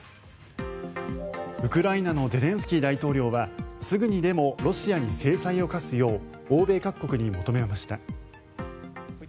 ウクライナのゼレンスキー大統領はすぐにでもロシアに制裁を科すよう欧米各国に求めました。